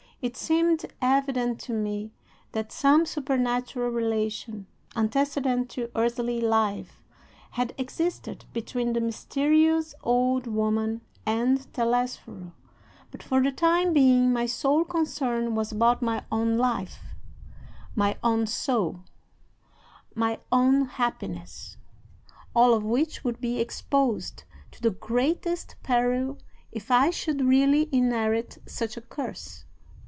It seemed evident to me that some supernatural relation, antecedent to earthly life, had existed between the mysterious old woman and Telesforo. But for the time being my sole concern was about my own life, my own soul, my own happiness all of which would be exposed to the greatest peril if I should really inherit such a curse.